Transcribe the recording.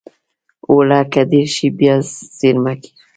اوړه که ډېر شي، بیا زېرمه کېږي